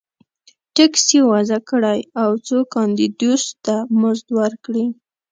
ټکس یې وضعه کړی و څو کاندیدوس ته مزد ورکړي